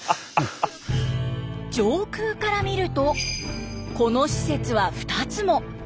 上空から見るとこの施設は２つも。